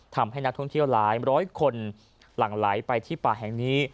ทำให้นักท่องเที่ยวหลายร้อยคนหลั่งไหลไปที่ป่าแห่งนี้